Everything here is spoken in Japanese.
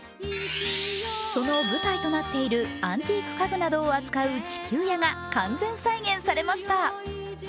その舞台となっているアンティーク家具などを扱う地球屋が完全再現されました。